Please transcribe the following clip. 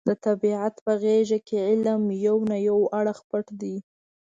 د طبیعت په غېږه کې علم یو نه یو اړخ پټ دی.